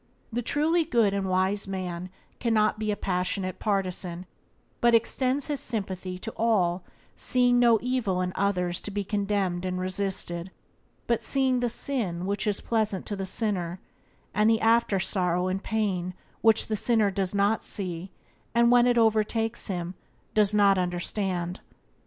The truly good and wise man cannot be a passionate partisan, but extends his sympathy to all, seeing no evil in others to be condemned and resisted, but seeing the sin which is pleasant to the sinner, and the after sorrow and pain which the sinner does not see, and, when it overtakes him, does not understand.